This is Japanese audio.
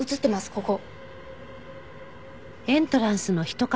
ここ。